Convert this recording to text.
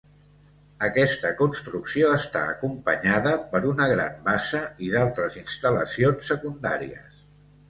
Aquesta construcció està acompanyada per una gran bassa i d'altres instal·lacions secundàries.